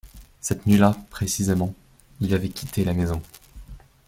Cette nuit-là précisément il avait quitté la maison.